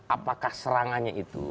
apakah serangannya itu